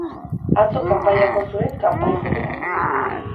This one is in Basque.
Atzo kanpaia jo zuen kanpaijoleak